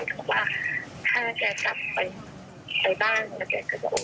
บอกว่าถ้าแกกลับไปบ้านแล้วแกก็จะบอก